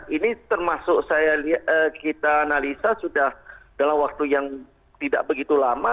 ini termasuk kita analisa sudah dalam waktu yang tidak begitu lama